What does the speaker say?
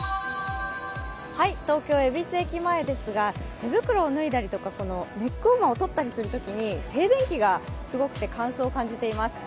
東京・恵比寿駅前ですが手袋を脱いだり、ネックウォーマーを取ったりするときに静電気がひどくて乾燥を感じています。